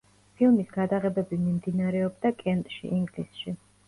ფილმის გადაღებები მიმდინარეობდა კენტში, ინგლისში.